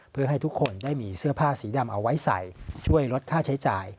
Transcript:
เพื่อให้ทุกคนได้มีเสื้อผ้าสีดำเอาไว้ใส่ช่วยลดค่าใช้จ่าย